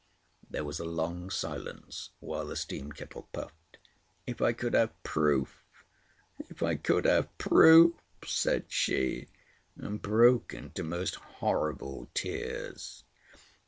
There was a long silence while the steam kettle puffed. "If I could have proof—if I could have proof," said she, and broke into most horrible tears.